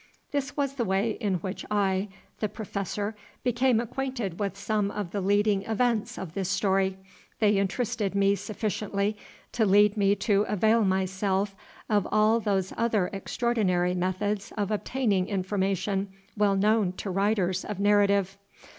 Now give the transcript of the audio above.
This was the way in which I, the Professor, became acquainted with some of the leading events of this story. They interested me sufficiently to lead me to avail myself of all those other extraordinary methods of obtaining information well known to writers of narrative.